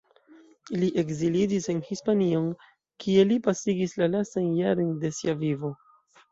Li ekziliĝis en Hispanion, kie li pasigis la lastajn jarojn de sia vivo.